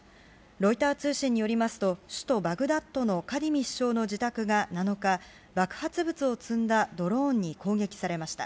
ロイター通信によりますと首都バグダッドのカディミ首相の自宅が７日爆発物を積んだドローンに攻撃されました。